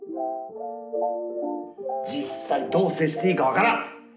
実際どう接したらいいのか分からん。